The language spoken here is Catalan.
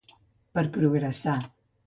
Per progressar.